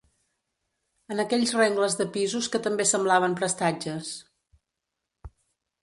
En aquells rengles de pisos que també semblaven prestatges